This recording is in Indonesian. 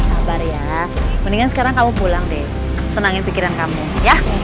sabar ya mendingan sekarang kamu pulang deh tenangin pikiran kamu ya